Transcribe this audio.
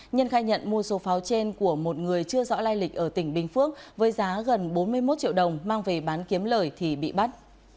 nhân khai nhận mua số pháo trên của một người chưa rõ lai lịch ở tỉnh bình phước với giá gần bốn mươi một triệu đồng mang về bán kiếm lời thì bị bắt